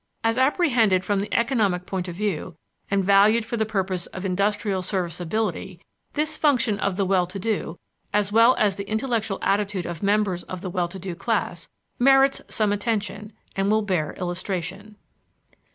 As apprehended from the economic point of view, and valued for the purpose of industrial serviceability, this function of the well to do, as well as the intellectual attitude of members of the well to do class, merits some attention and will bear illustration.